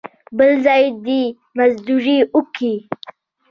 بل ځای دې مزدوري وکي.